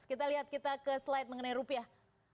kita lihat kita ke slide mengenai rupiah